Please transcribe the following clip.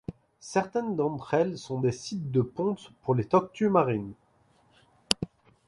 Certaines d'entre elles sont des sites de ponte pour les tortues marines.